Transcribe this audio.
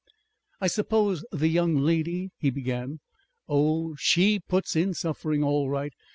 "I suppose the young lady " he began. "Oh! SHE puts in suffering all right.